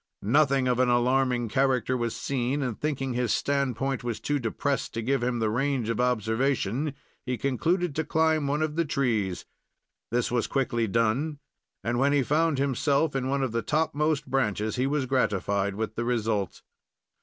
Nothing of an alarming character was seen, and, thinking his standpoint was too depressed to give him the range of observation, he concluded to climb one of the trees. This was quickly done, and when he found himself in one of the topmost branches he was gratified with the result.